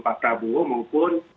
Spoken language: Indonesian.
pak prabowo maupun